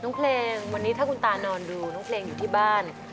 เพลงวันนี้ถ้าคุณตานอนดูน้องเพลงอยู่ที่บ้าน